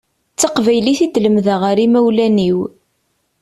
D taqbaylit i d-lemdeɣ ar imawlan-iw.